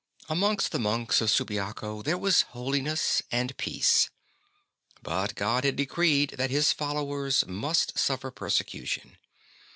Amongst the monks of Subiaco there was holiness and peace ; but God has decreed that His followers must suffer persecution.